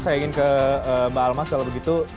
saya ingin ke mbak almas kalau begitu